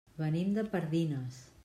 Venim de Pardines.